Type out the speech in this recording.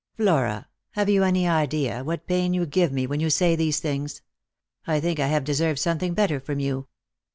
" Flora, have you any idea what pain you give me when you say these things ? I think I have deserved something better from you."